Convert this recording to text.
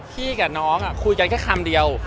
พี่กับน้องคุยกันแค่คำเดียว